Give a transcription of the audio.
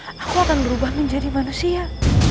maka aku akan berubah menjadi ular